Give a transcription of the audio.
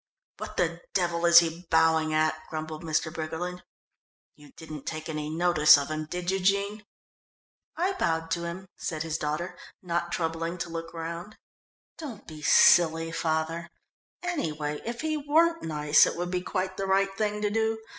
"What the devil is he bowing at?" grumbled Mr. Briggerland. "You didn't take any notice of him, did you, Jean?" "I bowed to him," said his daughter, not troubling to look round. "Don't be silly, father; anyway, if he weren't nice, it would be quite the right thing to do.